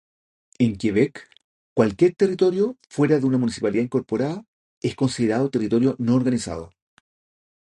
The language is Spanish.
En Quebec, cualquier territorio fuera de una municipalidad incorporada, es considerado territorio no organizado.